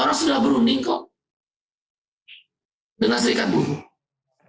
orang sudah berunding kok dengan serikat buruh